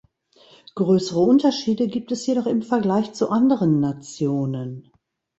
Größere Unterschiede gibt es jedoch im Vergleich zu anderen Nationen.